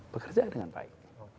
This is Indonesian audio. bekerja dengan baik